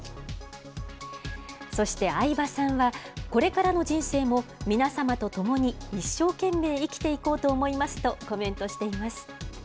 そして、相葉さんは、これからの人生も、皆様と共に一生懸命生きていこうと思いますとコメントしています。